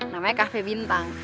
namanya kafe bintang